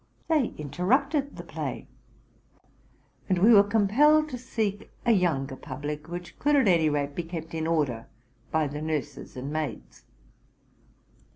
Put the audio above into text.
They interrupted the play ; and we were compelled to seek a younger public, which could at any rate be kept in order by the nurses and maids.